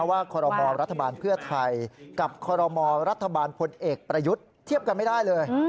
คอรมอรัฐบาลเพื่อไทยกับคอรมอรัฐบาลพลเอกประยุทธ์เทียบกันไม่ได้เลย